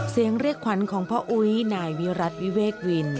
เสียงเรียกขวัญของพ่ออุ๊ยนายวิรัติวิเวกวิน